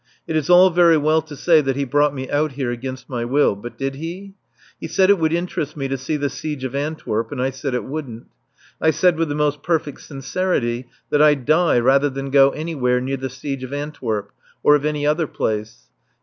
It is all very well to say that he brought me out here against my will. But did he? He said it would interest me to see the siege of Antwerp, and I said it wouldn't. I said with the most perfect sincerity that I'd die rather than go anywhere near the siege of Antwerp, or of any other place.